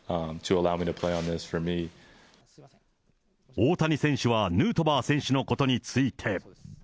大谷選手は、ヌートバー選手のことについて。